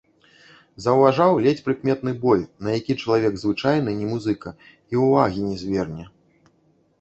Заўважаў ледзь прыкметны боль, на які чалавек звычайны, не музыка, і ўвагі не зверне.